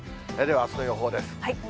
では、あすの予報です。